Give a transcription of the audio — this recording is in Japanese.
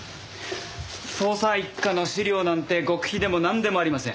捜査一課の資料なんて極秘でもなんでもありません。